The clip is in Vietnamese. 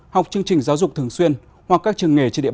học chương trình giáo dục thường xuyên hoặc các trường nghề trên địa bàn